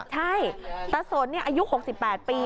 ใช่ตาสนอายุ๖๘ปี